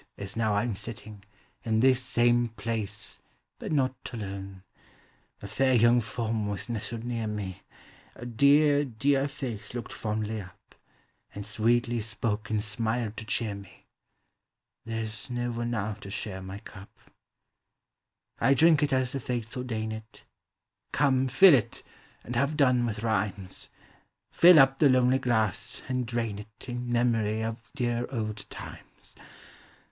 as now I 'm sitting. In this same place — but not alone. A fair young form was nestled near me, A dear, dear face looked fondly up, And sweetly spoke and smiled to cheer me, — There 's no one now to share my cup. T drink it as the Fates ordain it. Come, fill it, and have done with rhymes; Fill up the lonely glass, and drain it Iu memory of dear old times.